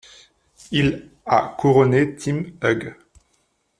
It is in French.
Il a couronné Tim Hug.